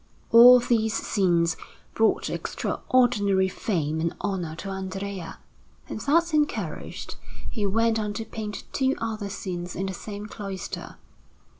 All these scenes brought extraordinary fame and honour to Andrea; and thus encouraged, he went on to paint two other scenes in the same cloister.